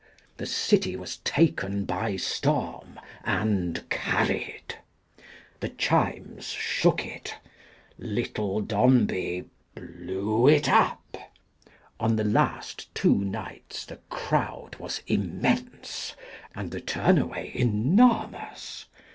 The city was taken by storm, and carried. " The Chimes " shook it ;" Little Dombey " blew it up. On the two last nights, the crowd was immeDse, and the turn away enormous.